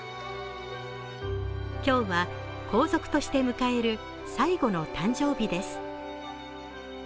今日は皇族として迎える最後の誕生日です。